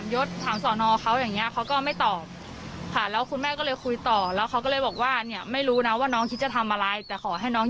อย่างนี้อ่าช่างตำรวจจริง